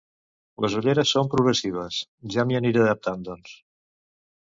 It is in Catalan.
Les ulleres són progressives, ja m'hi aniré adaptant, doncs.